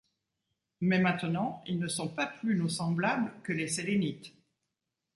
Mais maintenant, ils ne sont pas plus nos semblables que les Sélénites!